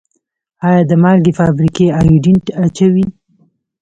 آیا د مالګې فابریکې ایوډین اچوي؟